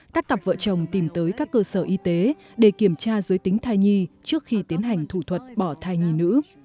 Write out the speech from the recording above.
các cặp vợ chồng tìm tới các cơ sở y tế để kiểm tra giới tính thai nhi trước khi tiến hành thủ thuật bỏ thai nhi nữ